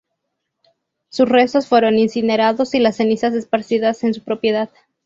Sus restos fueron incinerados y las cenizas esparcidas en su propiedad.